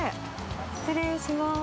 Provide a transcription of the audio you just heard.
失礼します。